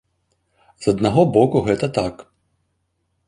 З аднаго боку, гэта так.